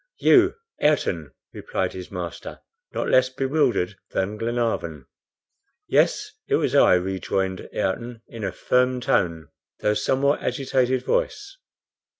"You, Ayrton!" replied his master, not less bewildered than Glenarvan. "Yes, it was I," rejoined Ayrton in a firm tone, though somewhat agitated voice.